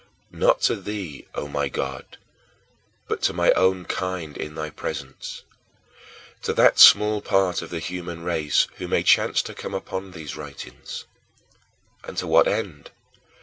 Not to thee, O my God, but to my own kind in thy presence to that small part of the human race who may chance to come upon these writings. And to what end?